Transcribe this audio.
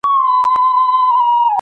مفکوره او حضور دواړه زیانمن شوي دي.